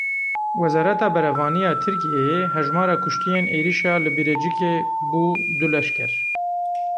Wezareta Berevaniya Tirkiyeyê Hejmara kuştiyên êrişa li Birecikê bû du leşker.